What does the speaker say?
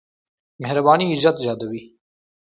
مهرباني عزت زياتوي.